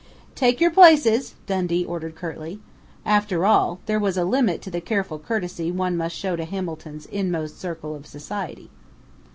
"Take your places!" Dundee ordered curtly. After all, there was a limit to the careful courtesy one must show to Hamilton's "inmost circle of society."